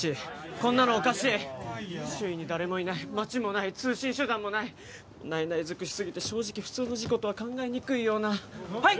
こんなのおかしい周囲に誰もいない街もない通信手段もないないない尽くしすぎて正直普通の事故とは考えにくいようなはい！